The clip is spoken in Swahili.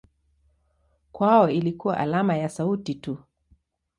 Kwao ilikuwa alama ya sauti tu.